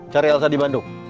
cari elsa di bandung